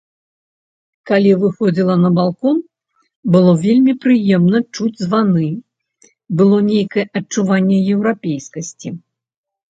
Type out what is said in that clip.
Калі выходзіла на балкон, было вельмі прыемна чуць званы, было нейкае адчуванне еўрапейскасці.